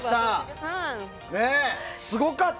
すごかった。